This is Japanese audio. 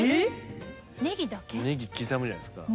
ネギ刻むじゃないっすか。